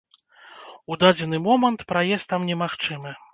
У дадзены момант праезд там немагчымы.